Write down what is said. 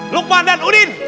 lukman dan udin